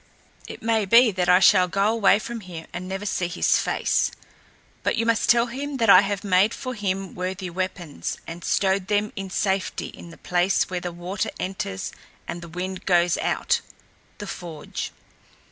It may be that I shall go away from here and never see his face; but you must tell him that I have made for him worthy weapons and stowed them in safety in the place where the water enters and the wind goes out (the forge)."